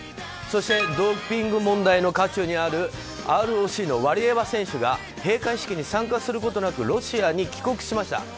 そしてドーピング問題の渦中にあるＲＯＣのワリエワ選手が閉会式に参加することなくロシアに帰国しました。